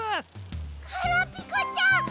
ガラピコちゃん！